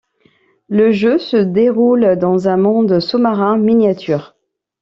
Le jeu se déroule dans un monde sous-marin miniature.